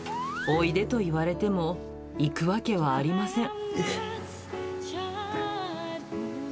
おいでと言われても、行くわけはありません。